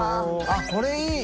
あっこれいい！